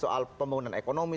soal pembangunan ekonomi